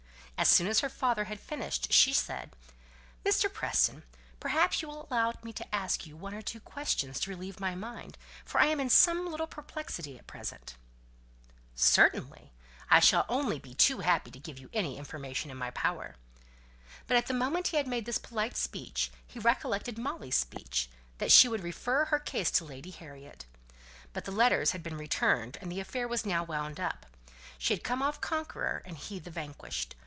As soon as her father had finished, she said, "Mr. Preston, perhaps you will allow me to ask you one or two questions to relieve my mind, for I am in some little perplexity at present." [Illustration: LADY HARRIET ASKS ONE OR TWO QUESTIONS.] "Certainly; I shall only be too happy to give you any information in my power." But the moment after he had made this polite speech, he recollected Molly's speech that she would refer her case to Lady Harriet. But the letters had been returned, and the affair was now wound up. She had come off conqueror, he the vanquished.